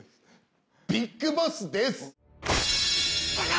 ビッグボスですああ！